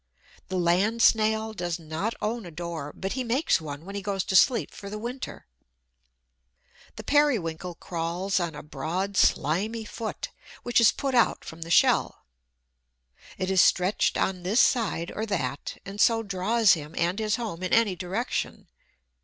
The land Snail does not own a door, but he makes one when he goes to sleep for the winter. The Periwinkle crawls on a broad, slimy foot, which is put out from the shell. It is stretched on this side or that, and so draws him and his home in any direction.